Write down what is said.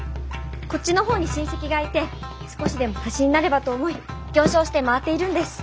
こっちの方に親戚がいて少しでも足しになればと思い行商して回っているんです。